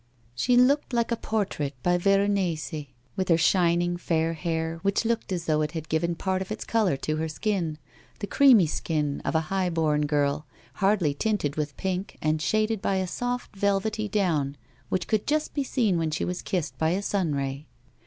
She looked like a portrait by Veronese, with her shining, fair hair which looked as though it had given part of its colour to her skin, the creamy skin of a high born girl, hardly tinted with pink and shaded by a soft velvety down which could just be seen when she was kissed by a sun ray.